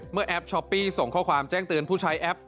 แอปช้อปปี้ส่งข้อความแจ้งเตือนผู้ใช้แอป